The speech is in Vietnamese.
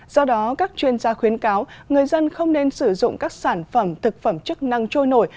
do đó các chuyên gia khuyến cáo người dân không nên sử dụng các sản phẩm thực phẩm chức năng trôi nổi